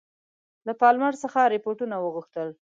له پالمر څخه رپوټونه وغوښتل.